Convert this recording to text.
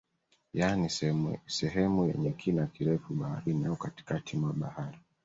Yani sehemu yenye kina kirefu baharini au katikati mwa bahari